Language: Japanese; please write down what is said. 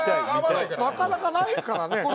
なかなかないからね。